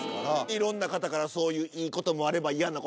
いろんな方からそういういいこともあれば。